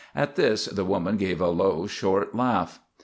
At this the woman gave a low, short laugh.